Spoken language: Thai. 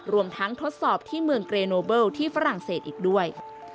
รวมทั้งทดสอบที่เมืองเกรโนเบิลที่ฝรั่งเศสอีกด้วย